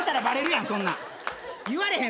言われへん